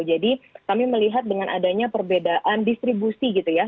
jadi kami melihat dengan adanya perbedaan distribusi gitu ya